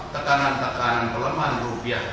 tekanan tekanan pelemahan rupiah